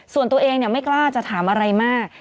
ส่วนตัวเองไม่กล้าจะถามอะไรมาก